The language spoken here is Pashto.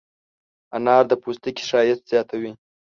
انار د پوستکي ښایست زیاتوي.